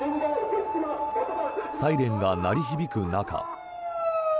サイレンが鳴り響く中。